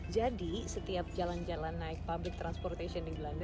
setiap jalan jalan naik public transportation di belanda